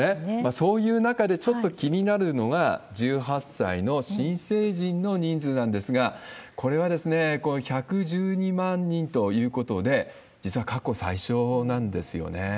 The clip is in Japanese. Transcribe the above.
そういう中で、ちょっと気になるのが、１８歳の新成人の人数なんですが、これは１１２万人ということで、実は過去最少なんですよね。